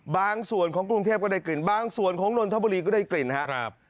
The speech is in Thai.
บางส่วนของกรุงเทพก็ได้กลิ่นบางส่วนของนนทบุรีก็ได้กลิ่นครับ